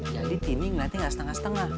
jadi tini nanti gak setengah setengah